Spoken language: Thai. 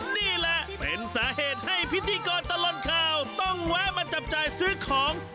นี่แหละเป็นสาเหตุให้พิธีกรตลอดข่าวต้องแวะมาจับจ่ายซื้อของ